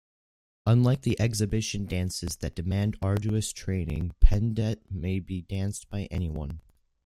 Unlike the exhibition dances that demand arduous training, Pendet may be danced by anyone.